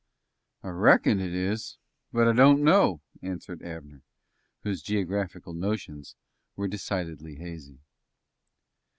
"I reckon it is, but I don't know," answered Abner, whose geographical notions were decidedly hazy.